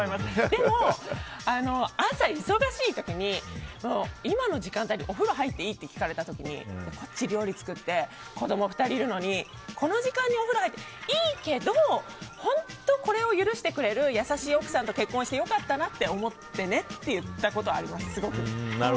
でも朝、忙しい時に今の時間お風呂入っていいって聞かれた時こっちは料理を作って子供２人いるのにこの時間にお風呂入っていいけど本当これを許してくれる優しい奥さんだと出会って良かったねと思ってねって言ったことがあります。